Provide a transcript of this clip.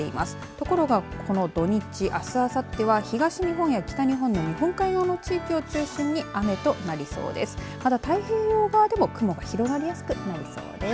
ところがこの土日あす、あさっては東日本や北日本の日本海側の地域を中心に雨となりそうです。